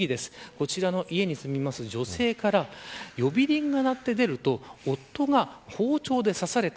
こちらの家に住む女性から呼び鈴が鳴って出ると夫が包丁で刺された。